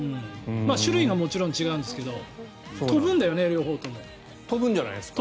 種類ももちろん違うんですけど飛ぶんじゃないですか？